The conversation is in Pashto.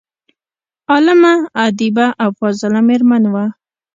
عالمه، ادیبه او فاضله میرمن وه.